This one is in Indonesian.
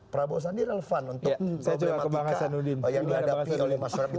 prabowo sandi relevan untuk problematik yang dihadapi oleh masyarakat